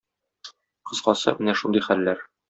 Кыскасы, менә шундый хәлләр.